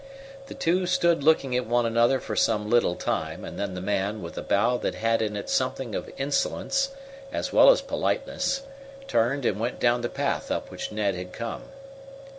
The two stood looking at one another for some little time, and then the man, with a bow that had in it something of insolence, as well as politeness, turned and went down the path up which Ned had come.